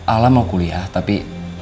alam mau kuliah tapi